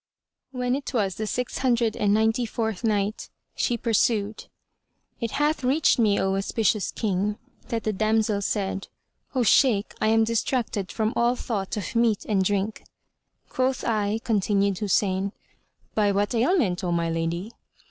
When it was the Six Hundred and Ninety fourth Night, She pursued, It hath reached me, O auspicious King, that the damsel said, "O Shaykh, I am distracted from all thought of meat and drink." Quoth I (continued Husayn), "By what ailment, O my lady?"